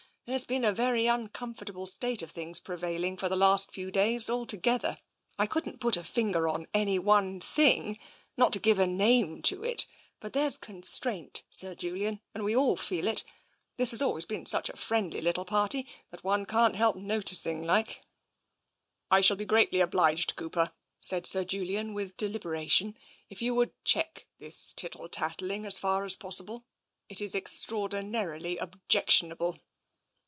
There's been a very uncomfortable state of things prevailing for the last few days, altogether. I couldn't put a finger on any one thing not to give a name to it, but there's con straint, Sir Julian, and we all feel it. This has always been such a friendly little party, that one can't help noticing, like." " I shall be greatly obliged. Cooper," said Sir Julian with deliberation, "if you would check this tittle tattling, as far as possible. It is extraordinarily ob jectionable."